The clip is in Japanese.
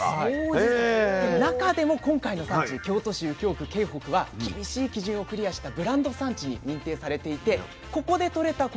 中でも今回の産地京都市右京区京北は厳しい基準をクリアしたブランド産地に認定されていてここでとれたこ